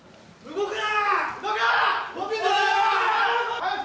動くな！